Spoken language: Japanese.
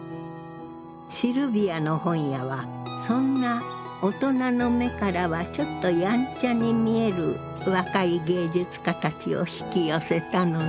シルヴィアの本屋はそんな大人の目からはちょっとやんちゃに見える若い芸術家たちを引き寄せたのね。